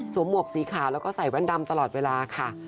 หมวกสีขาวแล้วก็ใส่แว่นดำตลอดเวลาค่ะ